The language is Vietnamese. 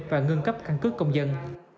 và ngưng cấp căn cứ công dân